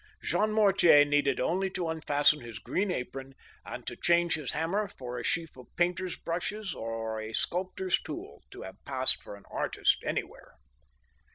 Jean Mortier needed only to unfasten his green apron, and to change his hammer for a sheaf of painters' brushes or a sculptor's tool, to have passed for an artist anywhere.